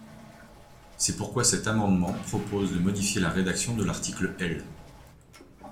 C’est pourquoi cet amendement propose de modifier la rédaction de l’article L.